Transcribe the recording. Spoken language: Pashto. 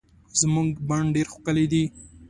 زمونږ بڼ ډير ښکلي دي